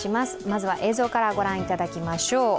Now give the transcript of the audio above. まずは映像から御覧いただきましょう。